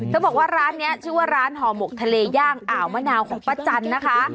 เขาบอกว่าร้านนี้ชื่อว่าร้านห่อหมกทะเลย่างอ่าวมะนาวของป้าจันนะคะ